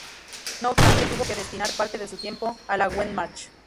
No obstante, tuvo que destinar parte de su tiempo a la Wehrmacht.